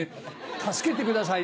助けてください